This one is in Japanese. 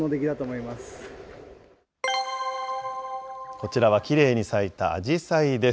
こちらはきれいに咲いたアジサイです。